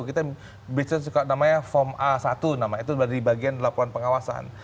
kita biasanya suka namanya form a satu namanya itu dari bagian laporan pengawasan